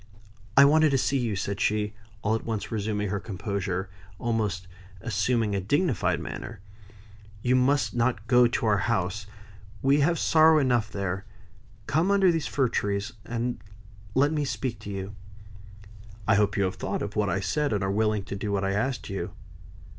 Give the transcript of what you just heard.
"I wanted to see you," said she, all at once resuming her composure, and almost assuming a dignified manner. "You must not go down to our house; we have sorrow enough there. Come under these fir trees, and let me speak to you." "I hope you have thought of what I said, and are willing to do what I asked you."